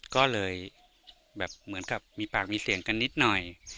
ก็เลยเหมือนกับปากว่ามีเสียงกันนิดนึง